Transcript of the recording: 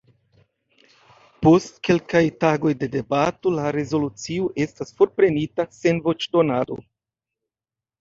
Post kelkaj tagoj de debato, la rezolucio estas forprenita sen voĉdonado.